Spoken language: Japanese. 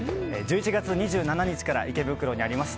１１月２７日から池袋にあります